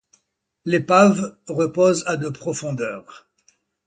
L'épave repose à de profondeur.